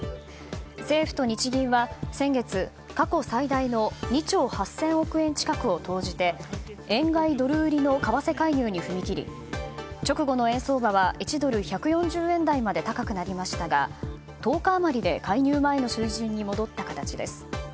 政府と日銀は先月、過去最大の２兆８０００億円近くを投じて円買いドル売りの為替介入に踏み切り直後の円相場は１ドル＝１４０円台まで高くなりましたが１０日余りで介入前の水準に戻った形です。